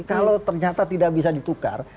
kalau ternyata tidak bisa ditukar